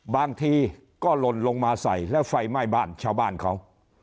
บางทีก็หล่นลงมาใส่แล้วไฟไหม้บ้านชาวบ้านเขา